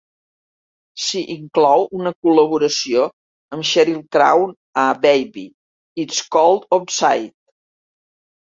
S'hi inclou una col·laboració amb Sheryl Crow a "Baby, It's Cold Outside".